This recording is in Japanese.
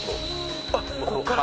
あっこっから？